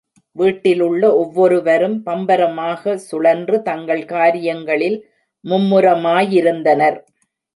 வீட்டிலுள்ள ஒவ்வொருவரும் பம்பரமாக சுழன்று தங்கள் காரியங்களில் மும்முரமாயிருந்தனர்.